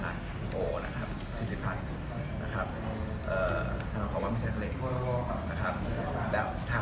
แล้วเขาก็บอกว่า